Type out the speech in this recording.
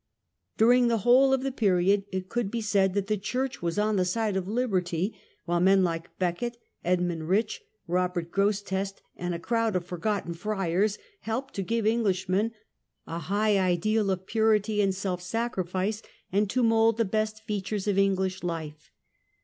During the whole of the period it could be said that the church was on the side of liberty; while men like Becket, Edmund Rich, Robert Grosseteste, and a crowd of foi^otten friars, helped to give Englishmen a high ideal of purity and self sacrifice, and to mould the best features of English life.